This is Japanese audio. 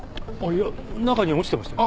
いや中に落ちてましたよ。